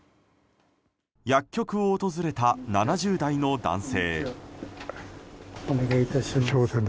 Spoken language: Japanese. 薬局を訪れた７０代の男性。